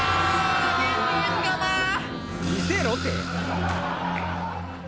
見せろて。